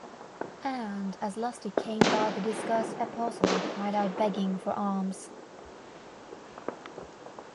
And as Lustig came by the disguised Apostle cried out begging for alms.